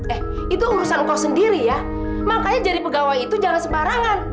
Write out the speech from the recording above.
eh itu urusan kau sendiri ya makanya jadi pegawai itu jangan sembarangan